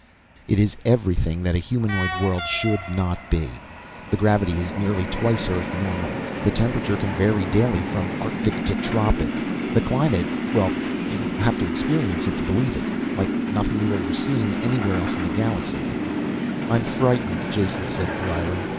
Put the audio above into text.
"It is everything that a humanoid world should not be. The gravity is nearly twice Earth normal. The temperature can vary daily from arctic to tropic. The climate well you have to experience it to believe it. Like nothing you've seen anywhere else in the galaxy." "I'm frightened," Jason said dryly.